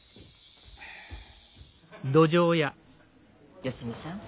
芳美さん